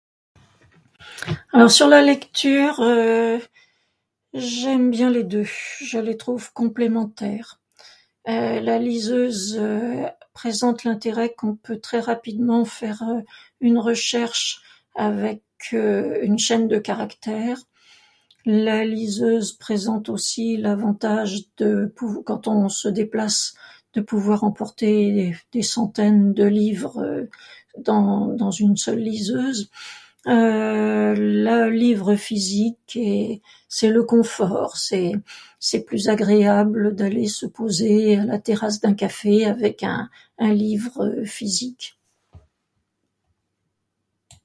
Alors sur la lecture, euh, j'aime bien les deux, je les trouve complémentaires. La liseuse présente l'intérêt qu'on peut très rapidement faire une recherche avec une chaîne de caractères. La liseuse présente aussi l'avantage de pouv, quand on se déplace de pouvoir emporter des centaines de livres dans une seule liseuse... euh... le livre physique est... c'est le confort, c'est plus agréable d'aller se poser à la terrasse d'un café avec un... un livre physique.